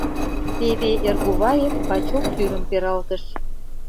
Теве Эргуваев бачок тӱрым пералтыш: